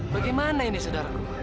bagaimana ini saudaraku